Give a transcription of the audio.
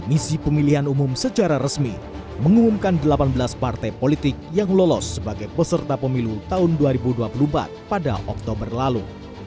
komisi pemilihan umum secara resmi mengumumkan delapan belas partai politik yang lolos sebagai peserta pemilu tahun dua ribu dua puluh empat pada oktober lalu